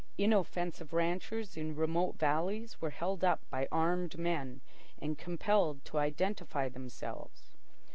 Inoffensive ranchers in remote valleys were held up by armed men and compelled to identify themselves.